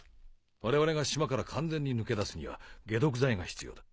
我々が島から完全に抜け出すには解毒剤が必要だ。